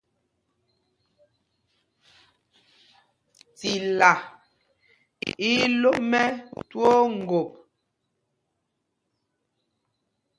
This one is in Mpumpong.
Tilá í í lō mɛ̄ twóó ŋgop.